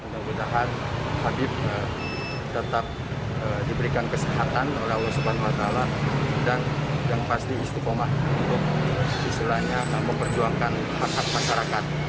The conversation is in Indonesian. mudah mudahan habib tetap diberikan kesehatan oleh allah swt dan yang pasti istiqomah untuk istilahnya memperjuangkan hak hak masyarakat